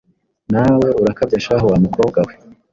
Nawe urakabya shahu wamukobwa we